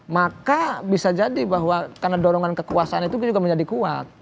maka bisa jadi bahwa karena dorongan kekuasaan itu juga menjadi kuat